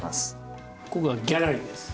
今回はギャラリーです。